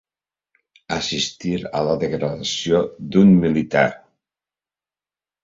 Assistir a la degradació d'un militar.